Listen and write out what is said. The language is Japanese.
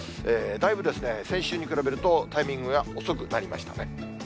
だいぶ、先週に比べると、タイミングが遅くなりましたね。